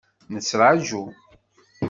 Nettraǧu.